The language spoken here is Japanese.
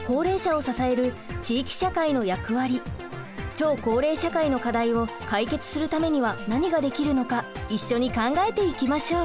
超高齢社会の課題を解決するためには何ができるのか一緒に考えていきましょう。